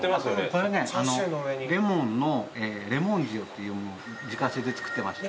これねレモンのレモン塩っていうものを自家製で作ってまして。